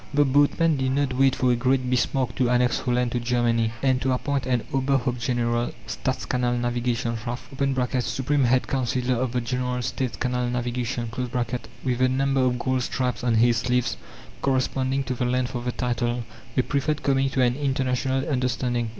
The boatmen did not wait for a great Bismarck to annex Holland to Germany, and to appoint an Ober Haupt General Staats Canal Navigation's Rath (Supreme Head Councillor of the General States Canal Navigation), with a number of gold stripes on his sleeves, corresponding to the length of the title. They preferred coming to an international understanding.